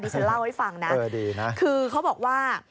ฉันเล่าให้ฟังนะคือเขาบอกว่า